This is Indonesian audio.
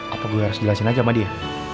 apa gue harus jelasin aja sama dia